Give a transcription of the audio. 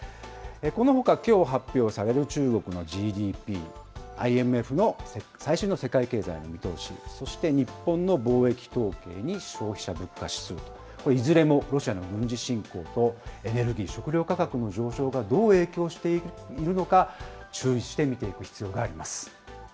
このほか、きょう発表される中国のＧＤＰ、ＩＭＦの最新の世界経済の見通し、そして日本の貿易統計に消費者物価指数、これ、いずれも、ロシアの軍事侵攻と、エネルギー、食料価格の上昇がどう影響しているのか、注意して見ていく必要があります。